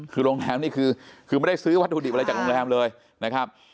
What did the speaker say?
คือโรงแรมนี่คือไม่ได้ซื้อวัตถุดิบอะไรจากโรงแรมเลยนะครับ